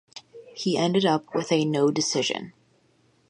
He ended up with a no-decision.